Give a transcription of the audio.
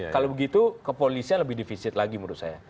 kalau begitu kepolisian lebih defisit lagi menurut saya